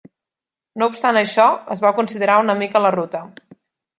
No obstant això, es va considerar una mica la ruta.